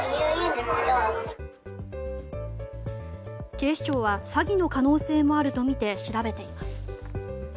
警視庁は詐欺の可能性もあるとみて調べています。